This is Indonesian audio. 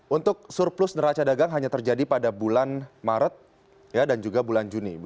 untuk surplus neraca dagang hanya terjadi pada bulan maret dan juga bulan juni